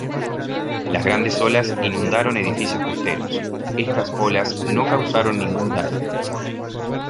Las grandes olas inundaron edificios costeros; estas olas no causaron ningún daño.